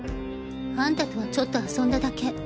あんたとはちょっと遊んだだけ。